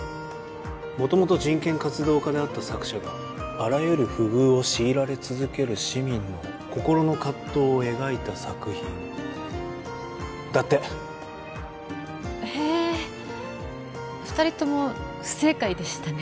もともと人権活動家であった作者があらゆる不遇をしいられ続ける市民の心の葛藤を描いた作品だってへえ２人とも不正解でしたね